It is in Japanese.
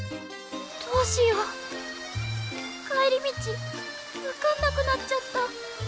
どうしよう帰り道分かんなくなっちゃった。